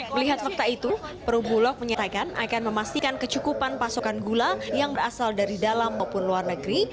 melihat fakta itu perubulok menyatakan akan memastikan kecukupan pasokan gula yang berasal dari dalam maupun luar negeri